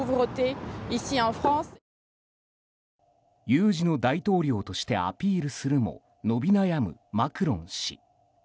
有事の大統領としてアピールするも伸び悩むマクロン氏。